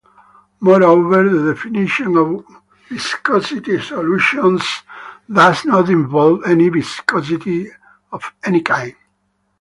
Moreover, the definition of "viscosity solutions" does not involve any viscosity of any kind.